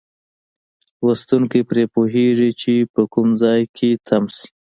لوستونکی پرې پوهیږي چې په کوم ځای کې تم شي.